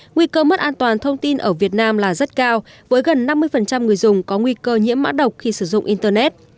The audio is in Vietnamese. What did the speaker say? nguy cơ mất an toàn thông tin ở việt nam là rất cao với gần năm mươi người dùng có nguy cơ nhiễm mã độc khi sử dụng internet